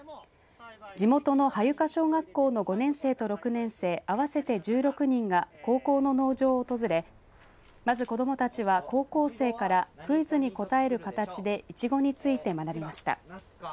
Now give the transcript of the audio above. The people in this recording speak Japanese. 地元の羽床小学校の５年生と６年生合わせて１６人が高校の農場を訪れまず、子どもたちは高校生からクイズに答える形でいちごについて学びました。